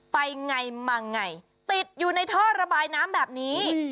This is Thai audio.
ไปไงมาไงติดอยู่ในท่อระบายน้ำแบบนี้